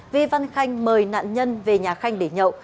vi văn khanh mời nạn nhân về nhà khanh để nhậu